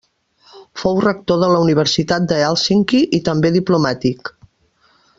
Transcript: Fou rector de la Universitat de Hèlsinki i també diplomàtic.